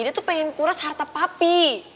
dia tuh pengen kuras harta papi